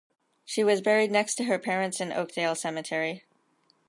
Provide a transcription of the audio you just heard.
She was buried next to her parents in Oakdale Cemetery.